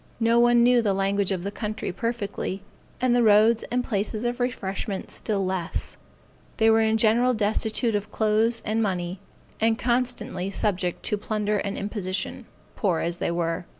No one knew the language of the country perfectly, and the roads and places of refreshment still less; they were in general destitute of clothes and money, and constantly subject to plunder and imposition, poor as they were.